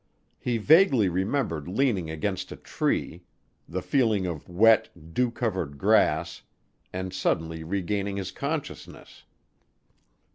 He vaguely remembered leaning against a tree, the feeling of wet, dew covered grass, and suddenly regaining his consciousness.